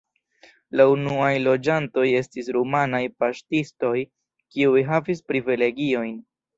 La unuaj loĝantoj estis rumanaj paŝtistoj, kiuj havis privilegiojn.